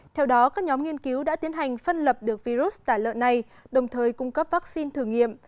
theo đó các nhóm nghiên cứu đã tiến hành phân lập được virus tả lợn này đồng thời cung cấp vaccine thử nghiệm